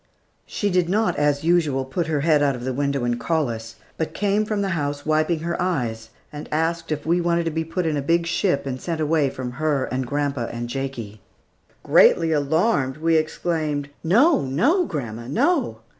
She did not, as usual, put her head out of the window and call us, but came from the house wiping her eyes, and asked if we wanted to be put in a big ship and sent away from her and grandma and Jakie. Greatly alarmed, we exclaimed, "No, no, grandma, no!"